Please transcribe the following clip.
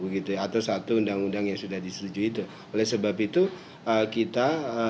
disak oleh satu perpu begitu atau satu undang undang yang sudah disetujui itu oleh sebab itu kita